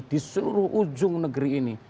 di seluruh ujung negeri ini